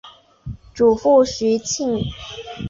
祖父徐庆。